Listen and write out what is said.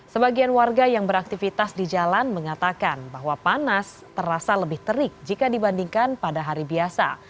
sebagian warga yang beraktivitas di jalan mengatakan bahwa panas terasa lebih terik jika dibandingkan pada hari biasa